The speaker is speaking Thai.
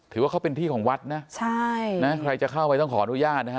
ถือว่าเขาเป็นที่ของวัดนะใช่นะใครจะเข้าไปต้องขออนุญาตนะฮะ